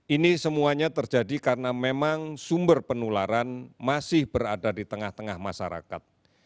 ini semuanya terjadi karena memang sumber penularan masih berada di tengah tengah masyarakat